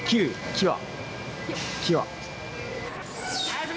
キワ。